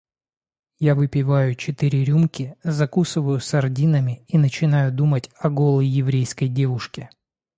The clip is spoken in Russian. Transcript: Я выпиваю четыре рюмки, закусываю сардинами и начинаю думать о голой еврейской девушке.